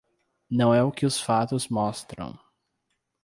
Não é o que os fatos mostram